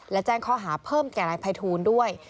และแจ้งข้อหาเพิ่มแก่นายภัยทูลด้วย